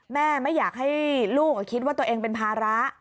แม่ไม่อยากให้ลูกคิดว่าตัวเองเป็นภาระ